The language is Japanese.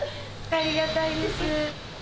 ありがたいです。